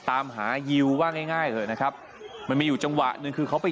ตามหายอวว่าง่ายเลยนะครับมันไม่อยู่จังหวะเลย